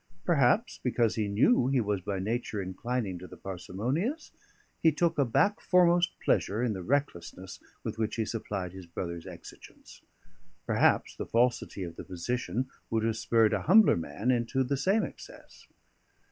Perhaps because he knew he was by nature inclining to the parsimonious, he took a backforemost pleasure in the recklessness with which he supplied his brother's exigence. Perhaps the falsity of the position would have spurred a humbler man into the same excess.